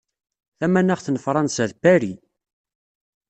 Tamanaɣt n Fransa, d Paris.